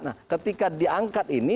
nah ketika diangkat ini